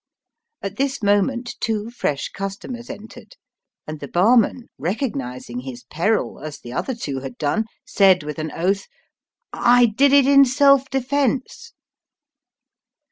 At this moment two fresh customers entered, and the barman recognizing his peril as the other two had done, said with an oath —*' I did it in self defence."